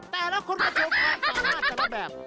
แต่ละคนก็ชมความสามารถจะได้แบบ